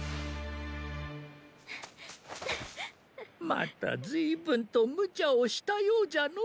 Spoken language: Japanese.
またずいぶんとむちゃをしたようじゃの？